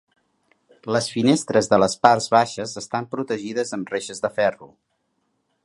Les finestres de les parts baixes estan protegides amb reixes de ferro.